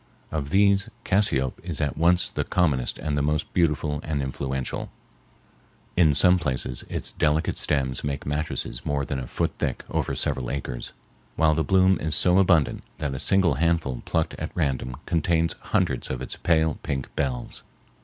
Of these cassiope is at once the commonest and the most beautiful and influential. In some places its delicate stems make mattresses more than a foot thick over several acres, while the bloom is so abundant that a single handful plucked at random contains hundreds of its pale pink bells.